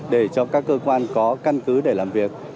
để cho các cơ quan có căn cứ để làm việc